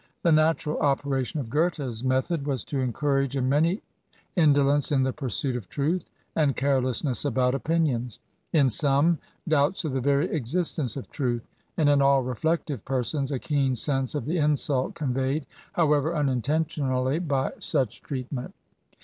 The natural operation of Gothelsi method was to encourage in many indolence in the pursuit of truth and carelessness about opinions ;— ^in some, doubts of the very existence of truth ; and in all reflective persons, a keen sense of the insult conveyed, however unintentionally, by such treat* ment.